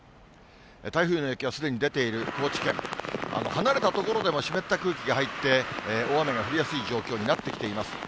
台風の影響がすでに出ている高知県、離れた所でも湿った空気が入って、大雨が降りやすい状況になってきています。